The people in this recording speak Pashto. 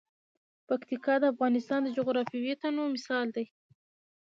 پکتیکا د افغانستان د جغرافیوي تنوع مثال دی.